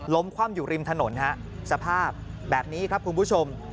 คว่ำอยู่ริมถนนฮะสภาพแบบนี้ครับคุณผู้ชม